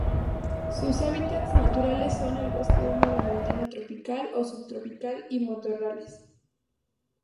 Sus hábitats naturales son el bosque húmedo montano tropical o subtropical y matorrales.